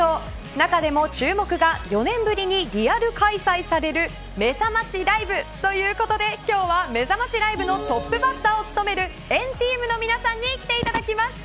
中でも注目が４年ぶりにリアル開催されるめざましライブということで今日は、めざましライブのトップバッターを務める＆ＴＥＡＭの皆さんに来ていただきました。